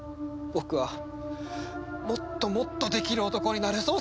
僕はもっともっとできる男になる。